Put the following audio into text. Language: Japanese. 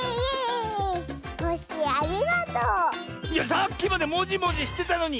さっきまでもじもじしてたのに！